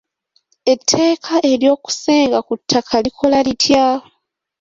Etteeka ery'okusenga ku ttaka likola litya?